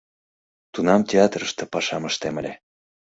Тунам театрыште пашам ыштем ыле.